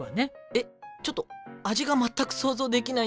えっちょっと味が全く想像できないんだけど。